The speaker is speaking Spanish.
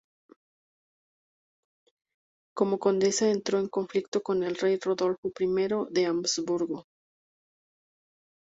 Como condesa, entró en conflicto con el rey Rodolfo I de Habsburgo.